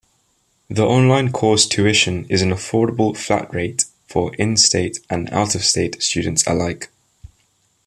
The online course tuition is an affordable flat-rate for in-state and out-of-state students alike.